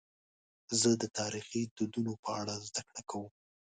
زه د تاریخي دودونو په اړه زدهکړه کوم.